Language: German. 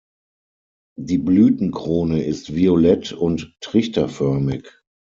Die Blütenkrone ist violett und trichterförmig.